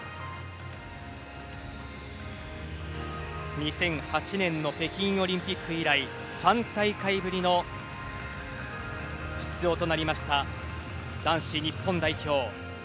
２００８年の北京オリンピック以来３大会ぶりの出場となりました男子日本代表。